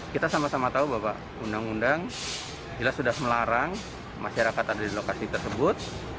kita sama sama tahu bahwa undang undang jelas sudah melarang masyarakat ada di lokasi tersebut